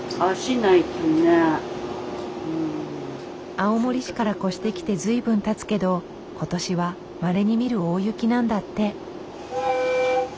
青森市から越してきて随分たつけど今年はまれに見る大雪なんだって。